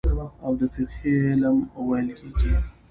او د فقهي علم ويل کېږي.